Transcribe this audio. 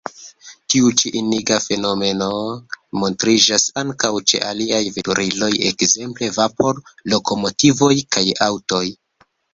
Tiu ĉi iniga fenomeno montriĝas ankaŭ ĉe aliaj veturiloj, ekzemple vapor-lokomotivoj kaj aŭtoj.